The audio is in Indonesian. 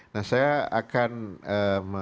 nah saya akan menjelaskan